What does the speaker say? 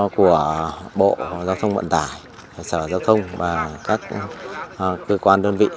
của bộ giao thông vận tải sở giao thông và các cơ quan đơn vị